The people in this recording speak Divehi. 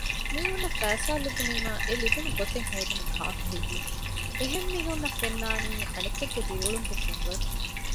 މީހުންނަށް ފައިސާ ލިބުނީމާ އެލިބުނު ގޮތެއް ހޯދަނީ ކާކުހެއްޔެވެ؟ އެހެން މީހުންނަށް ފެންނާނީ އަނެކެއްގެ ދިރިއުޅުމުގެ ފެންވަރު